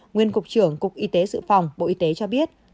nguyên cục trưởng cục y tế dự phòng bộ y tế cho biết